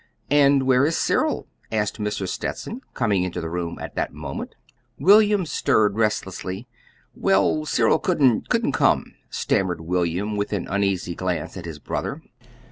"And where is Cyril?" asked Mrs. Stetson, coming into the room at that moment. William stirred restlessly. "Well, Cyril couldn't couldn't come," stammered William with an uneasy glance at his brother.